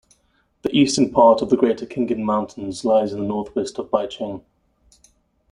The eastern part of the Greater Khingan Mountains lies in the northwest of Baicheng.